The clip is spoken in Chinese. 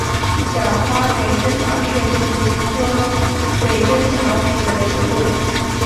小花鬼针草是菊科鬼针草属的植物。